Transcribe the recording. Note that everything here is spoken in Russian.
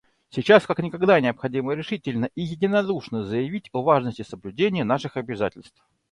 Сейчас как никогда необходимо решительно и единодушно заявить о важности соблюдения наших обязательств.